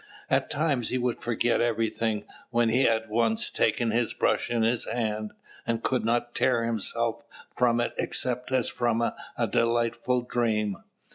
At times he would forget everything, when he had once taken his brush in his hand, and could not tear himself from it except as from a delightful dream.